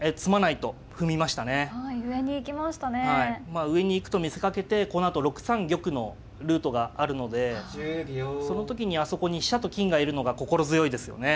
まあ上に行くと見せかけてこのあと６三玉のルートがあるのでその時にあそこに飛車と金がいるのが心強いですよね。